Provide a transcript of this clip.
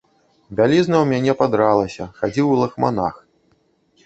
Бялізна ў мяне падралася, хадзіў у лахманах.